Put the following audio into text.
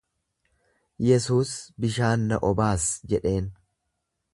Yesuus, Bishaan na obaas jedheen.